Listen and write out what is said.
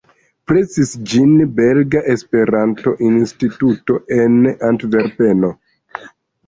Presis ĝin Belga Esperanto-Instituto en Antverpeno.